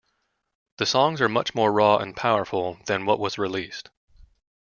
The songs are much more raw and powerful than what was released.